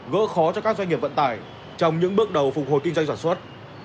gỡ khó cho các doanh nghiệp vận tải trong những bước đầu phục hồi kinh doanh sản xuất